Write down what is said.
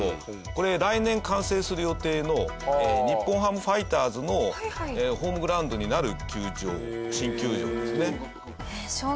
これ来年完成する予定の日本ハムファイターズのホームグラウンドになる球場新球場ですね。